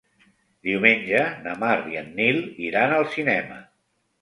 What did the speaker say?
Diumenge na Mar i en Nil iran al cinema.